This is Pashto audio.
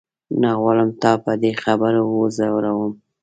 نه غواړم تا په دې خبرو وځوروم.